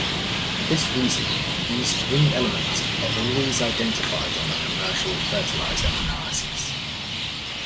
For this reason these three elements are always identified on a commercial fertilizer analysis.